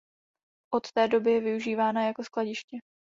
Od té doby je využívána jako skladiště.